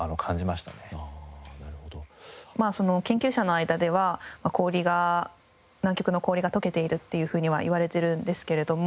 まあその研究者の間では氷が南極の氷が解けているっていうふうにはいわれているんですけれども。